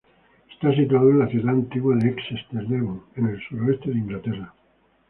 Está situada en la ciudad antigua de Exeter, Devon, en el sur-oeste de Inglaterra.